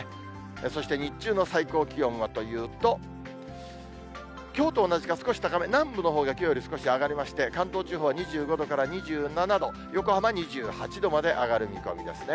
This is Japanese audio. そして日中の最高気温はというと、きょうと同じか少し高め、南部のほうがきょうより少し上がりまして、関東地方は２５度から２７度、横浜２８度まで上がる見込みですね。